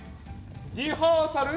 リハーサル？